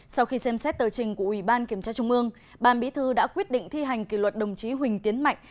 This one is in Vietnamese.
sau khi xem xét tờ trình của ubkt ban bí thư đã quyết định thi hành kỷ luật đồng chí huỳnh tiến mạnh